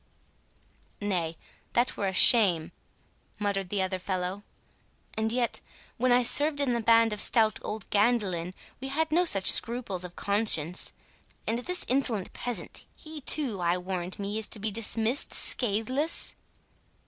"Nay, that were a shame," muttered the other fellow; "and yet, when I served in the band of stout old Gandelyn, we had no such scruples of conscience. And this insolent peasant,—he too, I warrant me, is to be dismissed scatheless?"